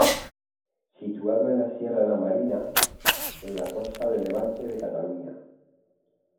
Situado en la sierra de la Marina, en la costa de levante de Cataluña.